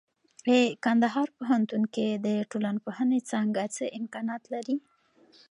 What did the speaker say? اې کندهار پوهنتون کې د ټولنپوهنې څانګه څه امکانات لري؟